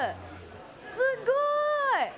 すごい！